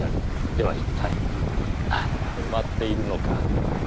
では一体何が埋まっているのか？